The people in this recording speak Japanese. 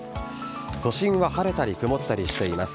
都心は晴れたり曇ったりしています。